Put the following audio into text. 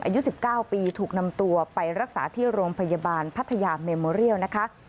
อายุ๑๙ปีถูกนำตัวไปรักษาที่โรงพยาบาลพัทยาเมโมเรียลนะคะ